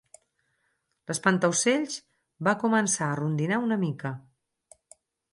L'Espantaocells va començar a rondinar una mica.